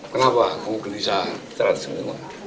kenapa kamu gelisah secara seminggu